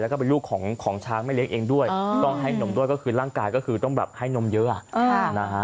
แล้วก็เป็นลูกของช้างไม่เลี้ยงเองด้วยต้องให้นมด้วยก็คือร่างกายก็คือต้องแบบให้นมเยอะนะฮะ